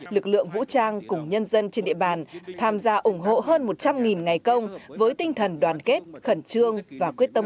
lực lượng vũ trang cùng nhân dân trên địa bàn tham gia ủng hộ hơn một trăm linh ngày công với tinh thần đoàn kết khẩn trương và quyết tâm